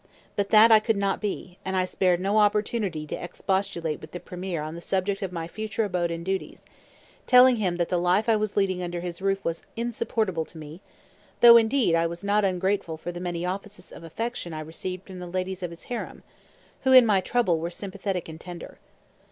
But that I could not be; and I spared no opportunity to expostulate with the premier on the subject of my future abode and duties, telling him that the life I was leading under his roof was insupportable to me; though, indeed, I was not ungrateful for the many offices of affection I received from the ladies of his harem, who in my trouble were sympathetic and tender.